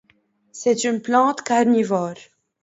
C'est une plante carnivore.